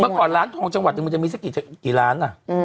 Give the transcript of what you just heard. เมื่อก่อนร้านทองจังหวัดมันจะมีเมื่อสักกี่ร้านอ่ะ